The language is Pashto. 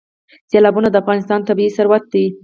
سیلابونه د افغانستان طبعي ثروت دی.